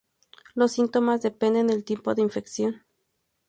Los síntomas dependen del tipo de infección.